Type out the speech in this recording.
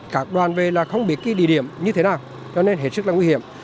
các đoàn về là không biết cái địa điểm như thế nào cho nên hết sức là nguy hiểm